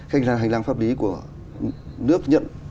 hành lang pháp lý của nước nhận